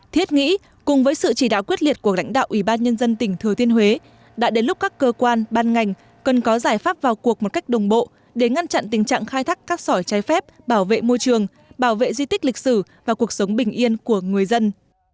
thực hiện chỉ thị của ubnd tỉnh thừa thiên huế công an tỉnh đã chỉ đạo công an các đơn vị đồng loạt ra quân